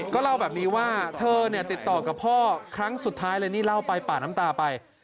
ก็เล่าแบบนี้ว่าเธอเนี่ยติดต่อกับพ่อครั้งสุดท้ายเลยนี่เล่าไปป่าน้ำตาไป